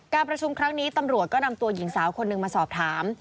การประชุมครั้งนี้ตำรวจก็นำตัวหญิงสาวคนหนึ่งมาสอบถาม